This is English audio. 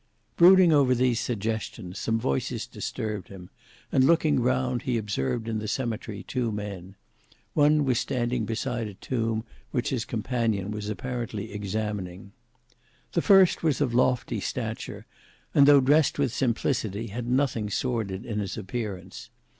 Brooding over these suggestions, some voices disturbed him, and looking round, he observed in the cemetery two men: one was standing beside a tomb which his companion was apparently examining. The first was of lofty stature, and though dressed with simplicity, had nothing sordid in his appearance.